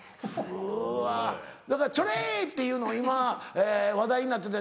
うわだからチョレイ！っていうの今話題になってた。